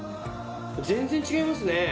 全然違いますね。